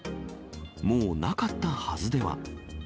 もうなかったはずでは。